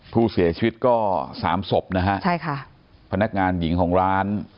ผู้เสียชีวิตก็สามศพนะฮะใช่ค่ะพนักงานหญิงของร้าน